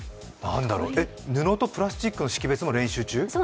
布とプラスチックの識別も練習中？